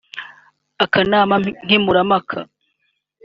Akanama nkemurampaka